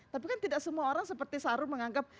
tapi kan tidak semua orang seperti sarung menganggap